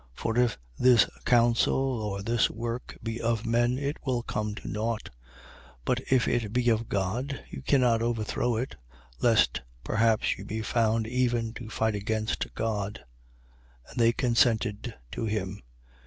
For if this council or this work be of men, it will come to nought: 5:39. But if it be of God, you cannot overthrow it, lest perhaps you be found even to fight against God. And they consented to him.